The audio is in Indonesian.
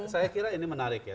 saya kira ini menarik ya